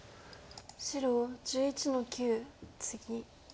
白１１の九ツギ。